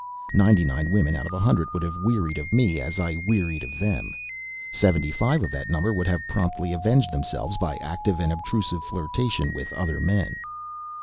Ninety nine women out of a hundred would have wearied of me as I wearied of them; seventy five of that number would have promptly avenged themselves by active and obtrusive flirtation with other men.